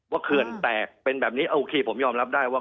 เขื่อนแตกเป็นแบบนี้โอเคผมยอมรับได้ว่า